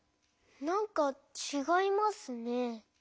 なんかちがいますね。